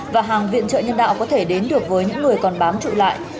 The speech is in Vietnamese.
và hàng viện trợ nhân đạo có thể đến được với những người còn bám trụ lại